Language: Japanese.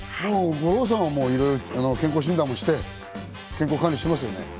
五郎さんは健康診断もして、健康管理してますね。